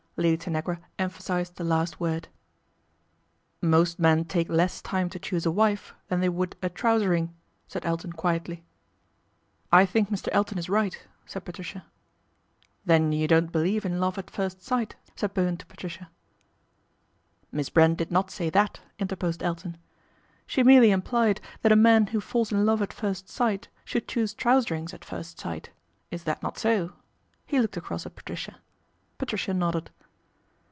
Lady Tanagra emphasized ic last word. " Most men take less time to choose a wife lan they would a trousering," said Elton quietly. " I think Mr. Elton is right," said Patricia. Then you don't believe in love at first sight/' ud Bowen to Patricia. Miss Brent did not say that/' interposed Iton. " She merely implied that a man who falls i love at first sight should choose trouserings at rst sight. Is that not so ?" He looked across at atricia. Patricia nodded.